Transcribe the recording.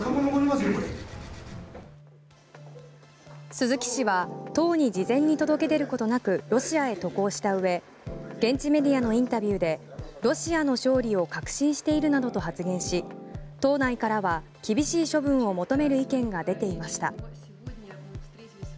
鈴木氏は党に事前に届け出ることなくロシアへ渡航したうえ現地メディアのインタビューでロシアの勝利を確信しているなどと発言し党内からは厳しい処分を求める意見が出ていました。